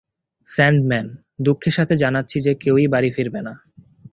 Sandman, দুঃখের সাথে জানাচ্ছি যে, কেউই বাড়ি ফিরবে না।